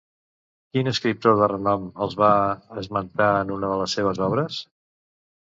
Quin escriptor de renom els va esmentar en una de les seves obres?